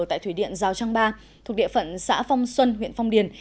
tại thủy điện giao trang ba thuộc địa phận xã phong xuân huyện phong điền